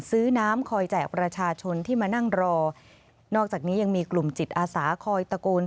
ซื้อน้ำคอยแจกประชาชนที่มานั่งรอนอกจากนี้ยังมีกลุ่มจิตอาสาคอยตะโกน